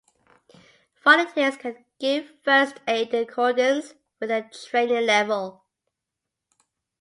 Volunteers can give first aid in accordance with their training level.